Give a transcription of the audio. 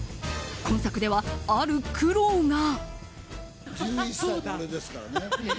今作ではある苦労が。